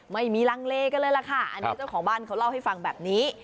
ไม่มีลังเลกันเลยล่ะค่ะอันนี้เจ้าของบ้านเขาเล่าให้ฟังแบบนี้